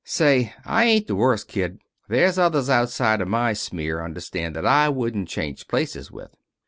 Say, I ain't the worst, kid. There's others outside of my smear, understand, that I wouldn't change places with."